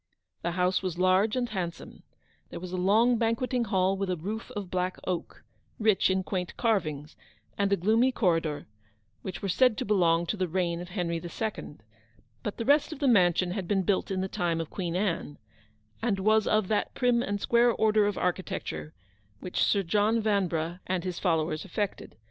The house was large and handsome; there was 311 a long banqueting hall with a roof of black oak, rich in quaint carvings, and a gloomy corridor, which were said to belong to the reign of Henry the Second; but the rest of the mansion had been built in the time of Queen Anne, and was of that prim and square order of architec ture which Sir John Vanbrugh and his followers affected.